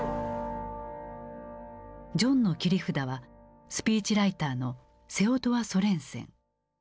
ジョンの切り札はスピーチライターのセオドア・ソレンセン。